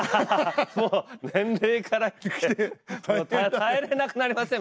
もう年齢からして耐えれなくなりません？